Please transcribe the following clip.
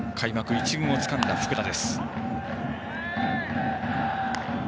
１軍をつかんだ福田。